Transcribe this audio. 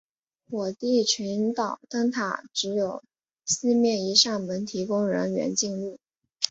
火地群岛灯塔只有西面一扇门提供人员进入。